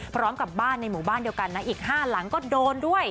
พร้อมกับบ้านในหมู่บ้านเดียวกันนะอีก๕หลังก็โดนด้วย